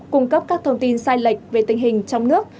cung cấp các thông tin sai lệch về tình hình trong nước